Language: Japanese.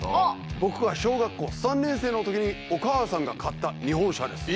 僕が小学校３年生のときにお母さんが買った日本車です。